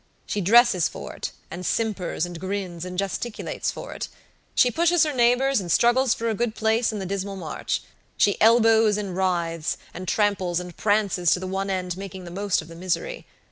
She dresses for it, and simpers and grins, and gesticulates for it. She pushes her neighbors, and struggles for a good place in the dismal march; she elbows, and writhes, and tramples, and prances to the one end of making the most of the misery.